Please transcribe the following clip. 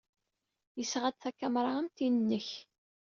Yesɣa-d takamra am tin-nnek.